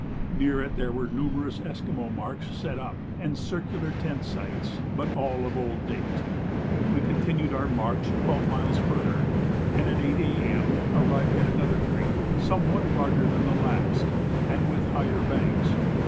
Near it there were numerous Esquimaux marks set up, and circular tent sites, but all of old date. We continued our march twelve miles further, and at 8 A.M. arrived at another creek somewhat larger than the last, and with higher banks.